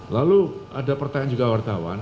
lalu ada pertanyaan juga wartawan